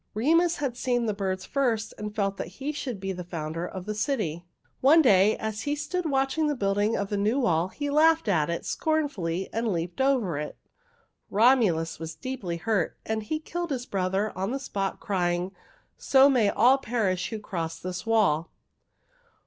"Remus had seen the birds first and he felt that he should be the founder of the city. One day, as he stood watching the building of the new wall, he laughed at it scornfully and leaped over it. Romulus was deeply hurt, and he killed his brother on the spot, crying, 'So may all perish who cross this wall!'